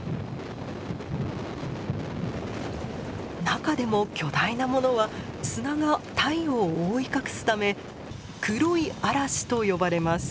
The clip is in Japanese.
中でも巨大なものは砂が太陽を覆い隠すため黒い嵐と呼ばれます。